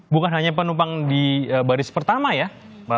bukan hanya penumpang di baris pertama ya